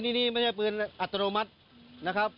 ถ้าได้ปืนอัตโนมัติน้าครับ